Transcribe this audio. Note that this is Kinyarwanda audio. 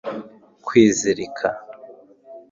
kwizirika